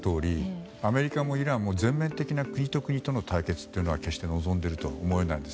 ワシントンからもあったとおりアメリカもイランも全面的な国と国との対決っていうのは、決して望んでいるとは思えないです。